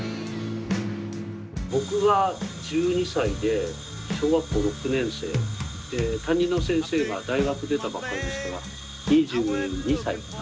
僕が１２歳で小学校６年生担任の先生が大学出たばっかりですから２２歳かな。